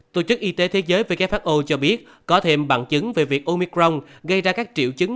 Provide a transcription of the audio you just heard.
tổ chức y tế thế giới who cho biết có thêm bằng chứng về việc omicron gây ra các triệu chứng